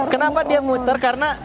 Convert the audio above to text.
kenapa dia muter